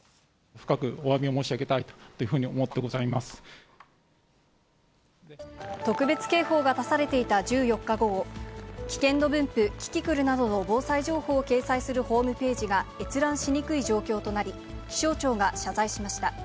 深くおわびを申し上げたいと特別警報が出されていた１４日午後、危険度分布、キキクルなどの防災情報を掲載するホームページが閲覧しにくい状況となり、気象庁が謝罪しました。